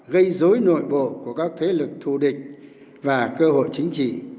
gây dối nội bộ của các thế lực thù địch và cơ hội chính trị